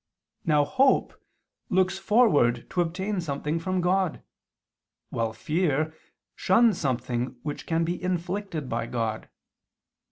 Tract. ix). Now hope looks forward to obtain something from God, while fear shuns something which can be inflicted by God.